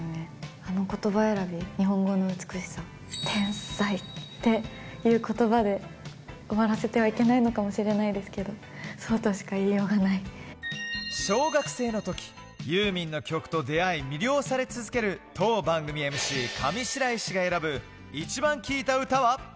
あのことば選び、日本語の美しさ、天才っていうことばで終わらせてはいけないのかもしれないですけ小学生のとき、ユーミンの曲と出会い、魅了され続ける当番組ＭＣ、上白石が選ぶイチバン聴いた歌は？